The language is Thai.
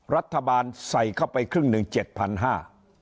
รัฐบาลใส่เข้าไปครึ่งหนึ่งเจ็ดพันห้า